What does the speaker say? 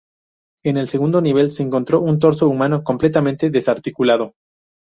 En el segundo nivel se encontró un torso humano completamente desarticulado.